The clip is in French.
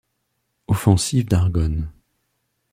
Offensives d'Argonne.